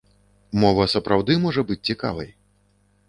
Мова сапраўды можа быць цікавай.